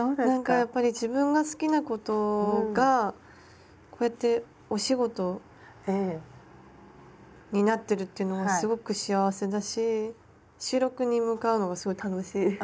なんかやっぱり自分が好きなことがこうやってお仕事になってるっていうのがすごく幸せだし収録に向かうのがすごい楽しい。